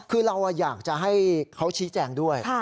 คือเราอยากจะให้เขาชี้แจงด้วย